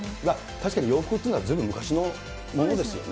確かに洋服っていうのは、ずいぶん昔のものですよね。